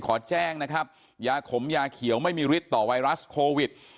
ขอแจ้งนะครับยาขมยาเขียวไม่มีฤทธิ์ต่อไวรัสโควิด